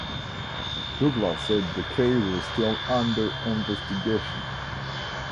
Douglas said the case was still under investigation.